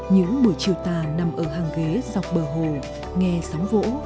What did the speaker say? những buổi chiều tà nằm ở hàng ghế dọc bờ hồ nghe sóng vỗ